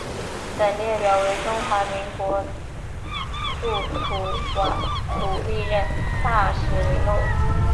本列表为中华民国驻吐瓦鲁历任大使名录。